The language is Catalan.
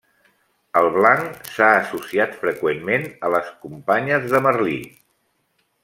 El blanc s'ha associat freqüentment a les companyes de Merlí.